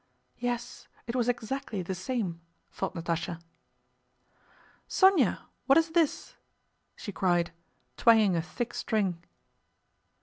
"Yes it was exactly the same," thought Natásha. "Sónya, what is this?" she cried, twanging a thick string.